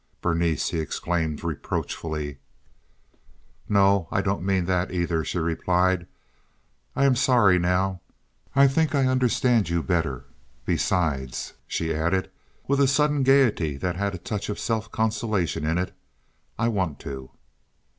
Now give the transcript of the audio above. "Berenice!" he exclaimed, reproachfully. "No, I don't mean that, either," she replied. "I am sorry now. I think I understand you better. Besides," she added, with a sudden gaiety that had a touch of self consolation in it, "I want to."